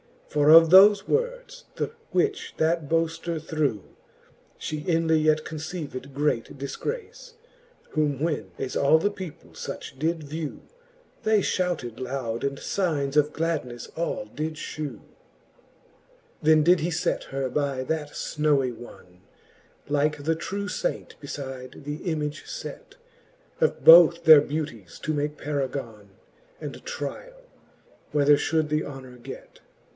For of thofe words, the which that boafter threw, She inly yet conceived great dilgrace. Whom when as all the people fuch did vew. They fhouted loud, and fignes of gladnefle all did fhew. XXIV. Then Canto III. the Faen'e ^eene, 43 XXIV. Then did he iet her by that fhowy one, Like the true laint befide the image let. Of both their beauties to make paragons, And triall, whether ihould the honor get.